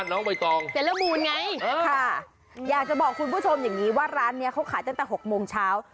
น้องใบตองเสร็จละมูลไงค่ะอยากจะบอกคุณผู้ชมอย่างนี้ว่าร้านนี้เขาขายตั้งแต่๖โมงเช้า